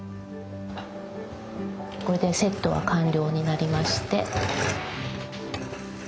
これでセットは完了になりまして。